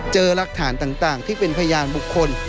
รักฐานต่างที่เป็นพยานบุคคล